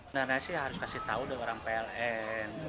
sebenarnya sih harus kasih tahu ke orang pln